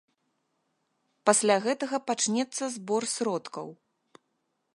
Пасля гэтага пачнецца збор сродкаў.